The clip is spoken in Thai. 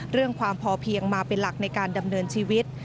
เรื่องความพอเพียงมาเป็นหลักในการดำเนินชีวิต